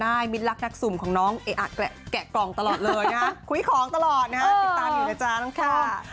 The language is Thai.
แล้วเรื่องแต่งก็เดี๋ยวค่อยว่ากันละกันค่ะ